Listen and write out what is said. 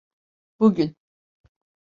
Bugün.